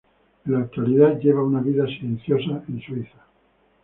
En la actualidad, lleva una vida silenciosa en Suiza.